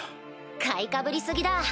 買いかぶり過ぎだ